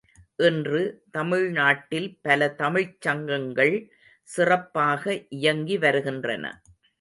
இன்று தமிழ்நாட்டில் பல தமிழ்ச் சங்கங்கள் சிறப்பாக இயங்கி வருகின்றன.